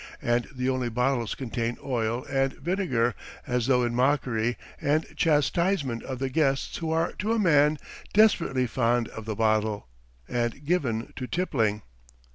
And the only bottles contain oil and vinegar, as though in mockery and chastisement of the guests who are to a man desperately fond of the bottle, and given to tippling.